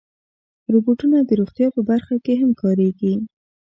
روبوټونه د روغتیا په برخه کې هم کارېږي.